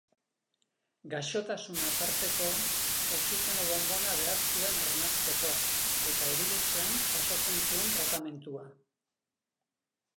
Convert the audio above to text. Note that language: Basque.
Gaixotasuna tarteko, oxigeno-bonbona behar zuen arnasteko, eta erietxean jasotzen zuen tratamendua.